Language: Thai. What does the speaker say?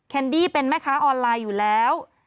ดี้เป็นแม่ค้าออนไลน์อยู่แล้ว